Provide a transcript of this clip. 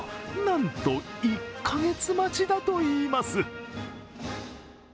なんと、１カ月待ちだといいます。